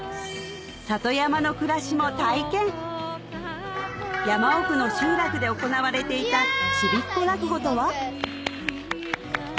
里山の暮らしも体験山奥の集落で行われていたちびっこ落語とは？